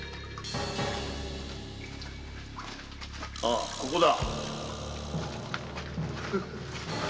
あここだ。